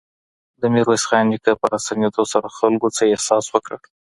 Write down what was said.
د ميرويس خان نيکه په راستنېدو سره خلګو څه احساس وکړ؟